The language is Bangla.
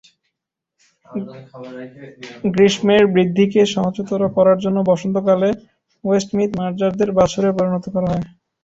গ্রীষ্মের বৃদ্ধিকে সহজতর করার জন্য বসন্তকালে ওয়েস্টমিথ মার্জারদের বাছুরে পরিণত করা হয়।